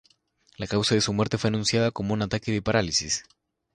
La causa de su muerte fue anunciada como un ataque de parálisis.